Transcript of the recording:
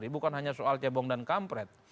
bukan hanya soal cebong dan kampret